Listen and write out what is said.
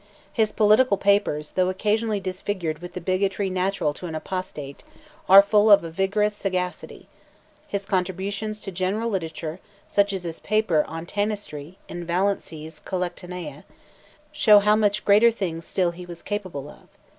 His political papers, though occasionally disfigured with the bigotry natural to an apostate, are full of a vigorous sagacity; his contributions to general literature, such as his paper on Tanistry, in Vallency's Collectanea, show how much greater things still he was capable of.